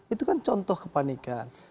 itu kan contoh kepanikan